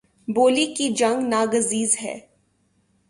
بولی کی جنگ ناگزیر ہے